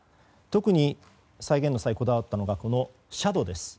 特に際限の際にこだわったのがこの斜度です。